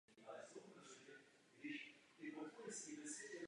Nastupoval povětšinou na postu útočníka nebo krajního záložníka.